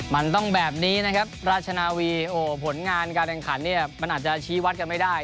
มันต้องแบบนี้นะครับราชนาวีโอ้โหผลงานการแข่งขันเนี่ยมันอาจจะชี้วัดกันไม่ได้